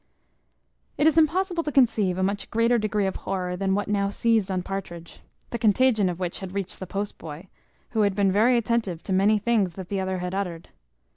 It is impossible to conceive a much greater degree of horror than what now seized on Partridge; the contagion of which had reached the post boy, who had been very attentive to many things that the other had uttered.